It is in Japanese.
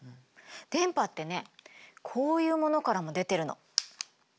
電波ってねこういうものからも出てるの。